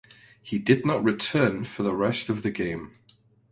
He did not return for the rest of the game.